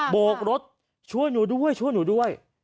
โบกรถช่วยหนูด้วยช่วยหนูด้วย